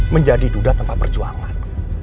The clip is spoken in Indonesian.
menjadi duda tanpa perjuangan